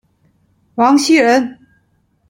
王袭人。